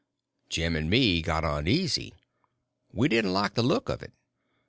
Jim and me got uneasy. We didn't like the look of it.